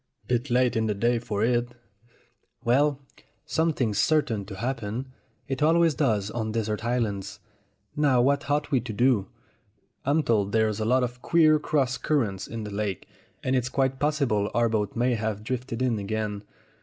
"Bit late in the day for it." "Well, something's certain to happen. It always does on desert islands. Now what ought we to do?" "I'm told there are a lot of queer cross currents in the lake, and it's quite possible our boat may have drifted in again.